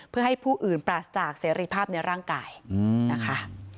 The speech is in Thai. เพื่อให้ผู้อื่นปราศจากเสรีภาพในร่างกายนะคะ